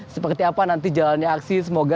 seperti apa nanti jalannya aksi semoga